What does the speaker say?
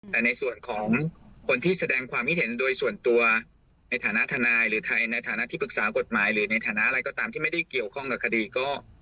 แต่ในส่วนของคนที่แสดงความคิดเห็นโดยส่วนตัวในฐานะทนายหรือไทยในฐานะที่ปรึกษากฎหมายหรือในฐานะอะไรก็ตามที่ไม่ได้เกี่ยวข้องกับคดีก็